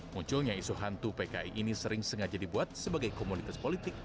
munculnya isu hantu pki ini sering sengaja dibuat sebagai komunitas politik